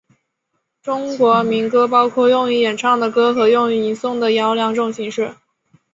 中国民歌包括用以演唱的歌和用于吟诵的谣两种形式。